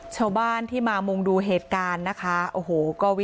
ชั่วโมงตอนพบศพ